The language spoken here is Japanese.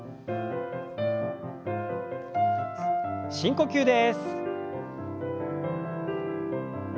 深呼吸です。